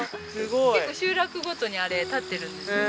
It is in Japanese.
結構集落ごとにあれ立ってるんですよね。